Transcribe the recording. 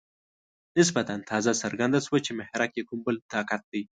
نسبتاً تازه څرګنده شوه چې محرک یې کوم بل طاقت دی.